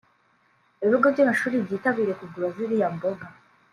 Ibigo by’amashuri byitabire kugura ziriye mboga